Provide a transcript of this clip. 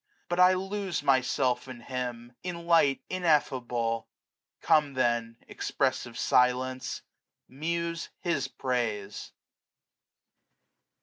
But I lose Myself in Him, in Light ineffable! Come then, expressive silence, muse his praise.